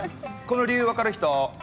この理由分かる人？